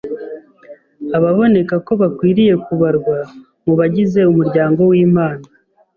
Ababoneka ko bakwiriye kubarwa mu bagize umuryango w’Imana